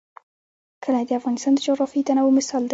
کلي د افغانستان د جغرافیوي تنوع مثال دی.